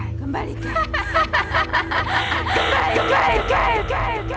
baik baik akan kukembalikan